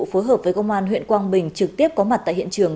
phối hợp với công an huyện quang bình trực tiếp có mặt tại hiện trường